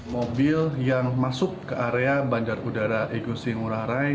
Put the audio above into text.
mobil yang masuk ke area bandar udara igusti ngurah rai